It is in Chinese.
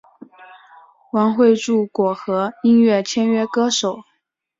王汇筑果核音乐签约歌手。